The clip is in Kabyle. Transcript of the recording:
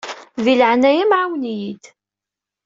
Di leɛnaya-m ɛawen-iyi-d.